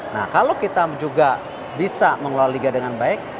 nah kalau kita juga bisa mengelola liga dengan baik